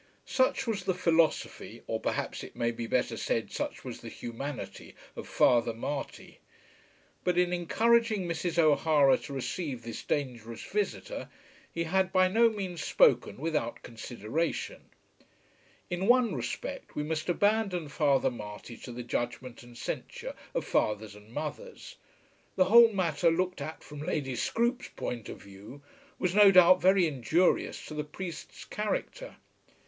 Such was the philosophy, or, perhaps, it may be better said such was the humanity of Father Marty! But in encouraging Mrs. O'Hara to receive this dangerous visitor he had by no means spoken without consideration. In one respect we must abandon Father Marty to the judgment and censure of fathers and mothers. The whole matter looked at from Lady Scroope's point of view was no doubt very injurious to the priest's character.